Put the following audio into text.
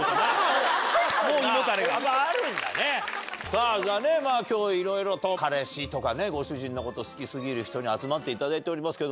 じゃあね今日いろいろと彼氏とかご主人のこと好き過ぎる人に集まっていただいておりますけど。